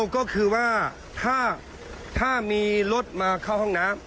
ก็คือว่าถ้ามีรถมาเข้าห้องน้ำ